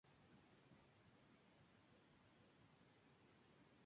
El patrimonio de la fundación se administra en Zúrich, Suiza.